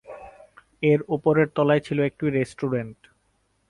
এর ওপর তলায় ছিল একটি রেস্টুরেন্ট।